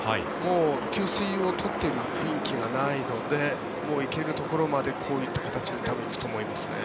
給水を取っている雰囲気がないのでもう行けるところまでこういった形で多分行くと思いますね。